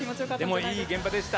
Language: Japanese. でも、いい現場でした。